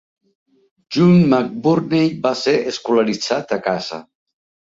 Young McBurney va ser escolaritzat a casa.